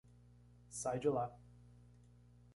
Sai de lá.